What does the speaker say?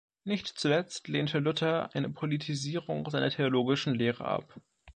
Nicht zuletzt lehnte Luther eine Politisierung seiner theologischen Lehre ab.